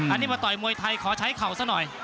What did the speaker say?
อันนี้มาต่อยมวยไทยขอใช้เข่าซะหน่อย